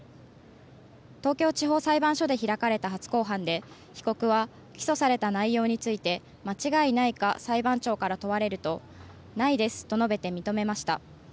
東京地方裁判所で開かれた初公判で被告は起訴された内容について間違いないか裁判長から問われるとないですと述べて認めました。